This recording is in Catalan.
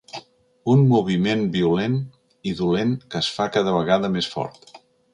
Un moviment violent i dolent que es fa cada vegada més fort.